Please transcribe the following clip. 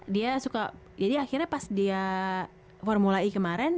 dia suka jadi akhirnya pas dia formulai kemarin